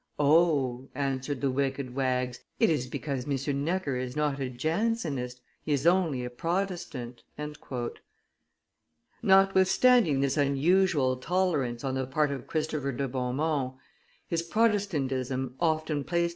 answered the wicked wags, "it is because M. Necker is not a Jansenist, he is only a Protestant." Notwithstanding this unusual tolerance on the part of Christopher de Beaumont, his Protestantism often placed M.